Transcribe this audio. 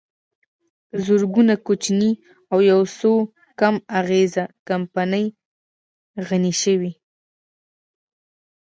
زرګونه کوچنۍ او یوڅو کم اغېزه کمپنۍ غني شوې